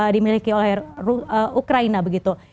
dimiliki oleh ukraina begitu